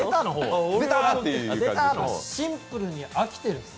シンプルに飽きてるんです。